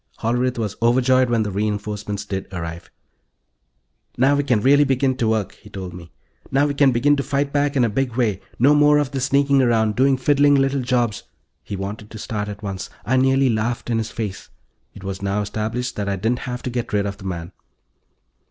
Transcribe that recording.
Hollerith was overjoyed when the reinforcements did arrive. "Now we can really begin to work," he told me. "Now we can begin to fight back in a big way. No more of this sneaking around, doing fiddling little jobs " He wanted to start at once. I nearly laughed in his face; it was now established that I didn't have to get rid of the man.